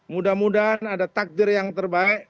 mudah mudahan ada takdir yang terbaik